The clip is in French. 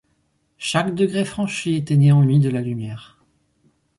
Chaque degré franchi éteignait en lui de la lumière.